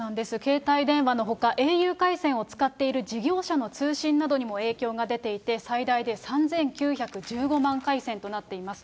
携帯電話のほか、ａｕ回線を使っている事業者の通信などにも影響が出ていて、最大で３９１５万回線となっています。